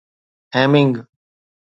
Hemming